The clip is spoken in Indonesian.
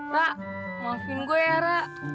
rak maafin gue ya rak